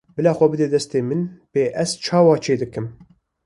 Bala xwe bide destê min bê ez çawa çêdikim.